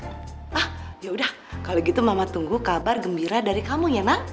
ah ya udah kalau gitu mama tunggu kabar gembira dari kamu ya ma